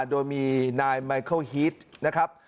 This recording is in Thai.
โดยมีนายไมเคิลฮีตนะครับ